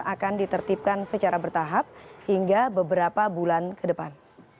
akan ditertibkan secara bertahap hingga beberapa bulan ke depan